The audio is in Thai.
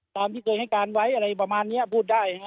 ตามที่เคยให้การไว้อะไรประมาณนี้พูดได้